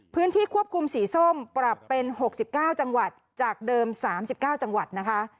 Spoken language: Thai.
พื้นที่ควบคุมสีส้มปรับเป็นหกสิบเก้าจังหวัดจากเดิมสามสิบเก้าจังหวัดนะคะ